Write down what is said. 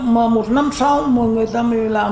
mà một năm sau người ta mới làm